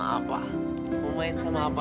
itu pasti belum main sama papa